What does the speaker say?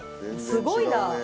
すごいな。